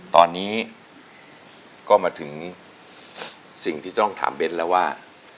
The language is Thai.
ตอนนี้ก็มาถึงสิ่งที่ต้องถามเบ้นแล้วว่า